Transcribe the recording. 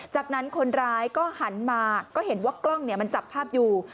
จากนั้นคนร้ายก็หันมาก็เห็นว่ากล้องมันจับภาพอยู่